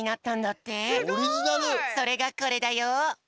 それがこれだよ。